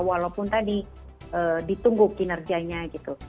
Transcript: walaupun tadi ditunggu kinerjanya gitu